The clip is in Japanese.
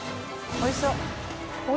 おいしそう！